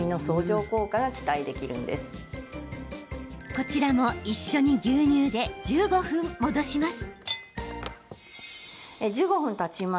こちらも一緒に牛乳で１５分、戻します。